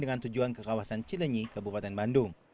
dengan tujuan ke kawasan cilenyi kabupaten bandung